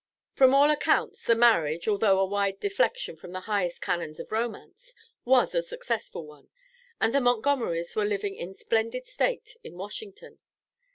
From all accounts, the marriage, although a wide deflection from the highest canons of romance, was a successful one, and the Montgomerys were living in splendid state in Washington.